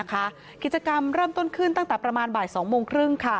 กิจกรรมเริ่มต้นขึ้นตั้งแต่ประมาณบ่าย๒โมงครึ่ง